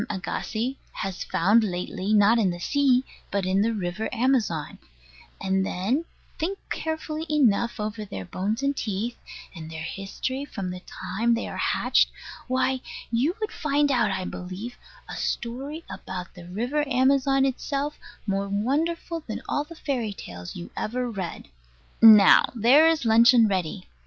Agassiz has found lately, not in the sea, but in the river Amazon; and then think carefully enough over their bones and teeth, and their history from the time they are hatched why, you would find out, I believe, a story about the river Amazon itself, more wonderful than all the fairy tales you ever read. Now there is luncheon ready.